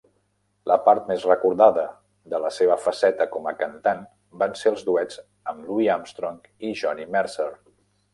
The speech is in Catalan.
La part més recordada de la seva faceta com a cantant van ser els duets amb Louis Armstrong i Johnny Mercer.